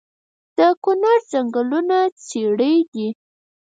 د کونړ ځنګلونه څیړۍ دي